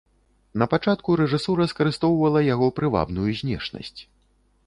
Напачатку рэжысура скарыстоўвала яго прывабную знешнасць.